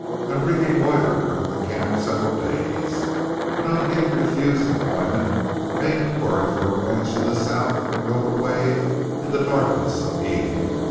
Enrique loitered around the camp several days, and on being refused employment, made inquiry for a ranch in the south and rode away in the darkness of evening.